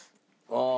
ああ。